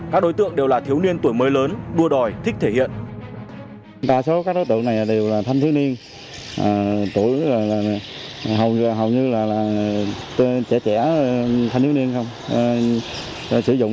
các đối tượng đều là thiếu niên tuổi mới lớn đua đòi thích thể hiện